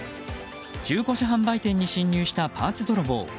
中古車販売店に侵入したパーツ泥棒。